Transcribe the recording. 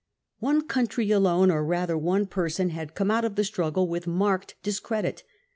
One country alone, or rather one person, had come out of the struggle with marked discredit.